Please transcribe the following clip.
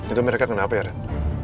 itu mereka kenapa ya ren